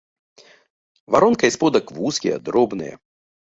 Варонка і сподак вузкія, дробныя.